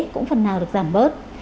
cũng phần nào được giảm bớt